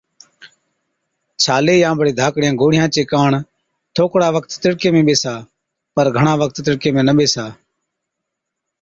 ڇالي يان بڙي ڌاڪڙِيا گوڙهِيا چي ڪاڻ ٿوڪڙا وقت تِڙڪي ۾ ٻيسا، پر گھڻا وقت تِڙڪي ۾ نہ ٻيسا۔